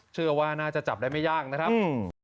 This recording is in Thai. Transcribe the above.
เชื่อว่าน่าจะจับได้ไม่ยากนะครับ